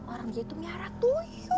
orang dia tuh nyara tuyul